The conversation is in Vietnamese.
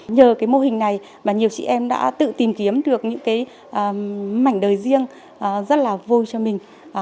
nhờ cái mô hình này mà nhiều chị em đã tự tìm kiếm được những cái mảnh đời riêng rất là vui cho mình